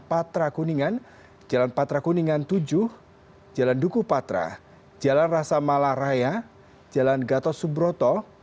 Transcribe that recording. patra kuningan jalan patra kuningan tujuh jalan duku patra jalan rasa malaraya jalan gatot subroto